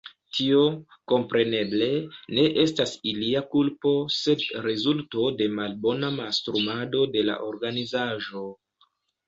Tio, kompreneble, ne estas ilia kulpo, sed rezulto de malbona mastrumado de la organizaĵo.